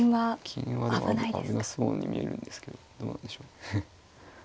金はでも危なそうに見えるんですけどどうなんでしょう。